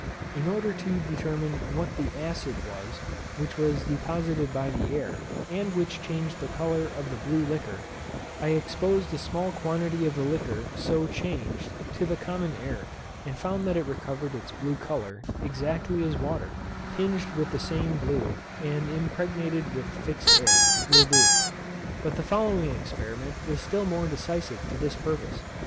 In order to determine what the acid was, which was deposited by the air, and which changed the colour of the blue liquor, I exposed a small quantity of the liquor so changed to the common air, and found that it recovered its blue colour, exactly as water, tinged with the same blue, and impregnated with fixed air, will do. But the following experiment was still more decisive to this purpose.